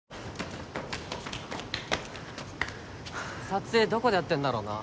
撮影どこでやってんだろうな？